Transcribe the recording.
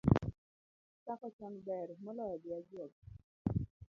Chako Chon ber, noloyo dhi ajuoga